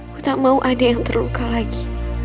aku tak mau ada yang terluka lagi